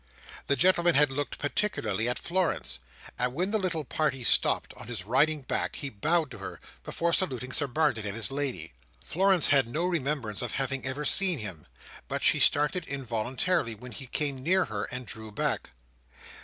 The gentleman had looked particularly at Florence; and when the little party stopped, on his riding back, he bowed to her, before saluting Sir Barnet and his lady. Florence had no remembrance of having ever seen him, but she started involuntarily when he came near her, and drew back.